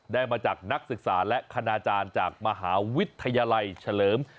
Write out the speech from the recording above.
ได้มาจากนักศึกษาและคณาจารย์จากมหาวิทยาลัยเฉลิม